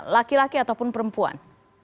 laki laki ataupun perempuan